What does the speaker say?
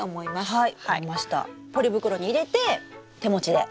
はい。